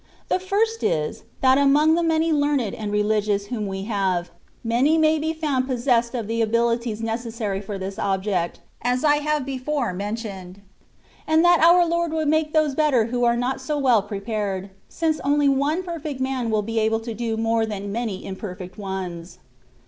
The first is, that among the many learned and religious whom we have, many may be found possessed of the abilities necessary for this object, as I have before mentioned ; and that our Lord would make those better who are not so well prepared, since only one perfect man will be able to do more than many imperfect ones.